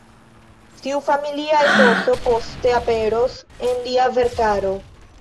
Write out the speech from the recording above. Tiu familia etoso poste aperos en lia verkaro.